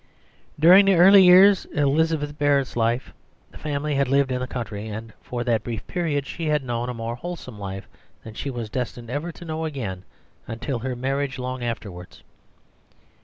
During the early years of Elizabeth Barrett's life, the family had lived in the country, and for that brief period she had known a more wholesome life than she was destined ever to know again until her marriage long afterwards.